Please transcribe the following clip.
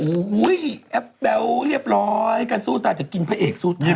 อุ้ยแอบแบ๊วเรียบร้อยการสู้ตายจะกินพระเอกสู้ตาย